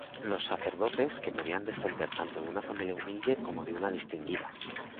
Los Sacerdotes, que podían descender tanto de una familia humilde como de una distinguida.